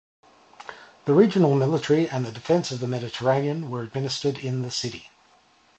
The regional military and the defence of the Mediterranean were administered in the city.